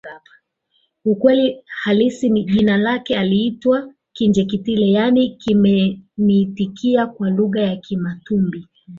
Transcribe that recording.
Ukweli halisi wa jina lake aliitwa Kinjeketile yaani kimeniitikia kwa lugha ya Kimatumbi